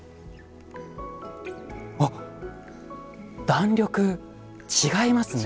あっ弾力違いますね！